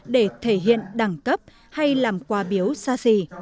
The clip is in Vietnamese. để thể hiện đẳng cấp hay làm quà biếu xa xỉ